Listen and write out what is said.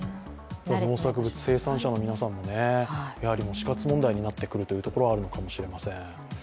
農作物、生産者の皆さんも死活問題になってくるというところ、あるのかもしれません。